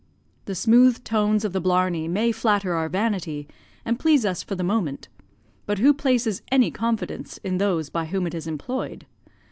The smooth tones of the blarney may flatter our vanity, and please us for the moment; but who places any confidence in those by whom it is employed.